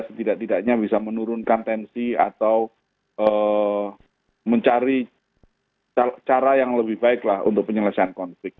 setidak tidaknya bisa menurunkan tensi atau mencari cara yang lebih baiklah untuk penyelesaian konflik